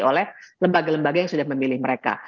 oleh lembaga lembaga yang sudah memilih mereka